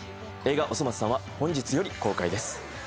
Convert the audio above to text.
映画『おそ松さん』は本日より公開です。